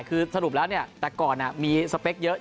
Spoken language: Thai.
คือสรุปแล้วแต่ก่อนมีสเปคเยอะ